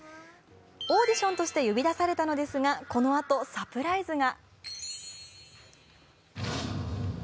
オーディションとして呼び出されたのですがこのあとサプライズが。